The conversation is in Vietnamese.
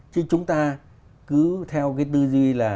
chứ chúng ta cứ theo cái tư duy là